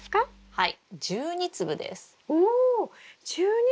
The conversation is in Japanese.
はい。